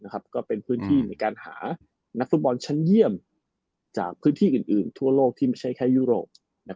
ก็เป็นพื้นที่ในการหานักฟุตบอลชั้นเยี่ยมจากพื้นที่อื่นทั่วโลกที่ไม่ใช่แค่ยุโรป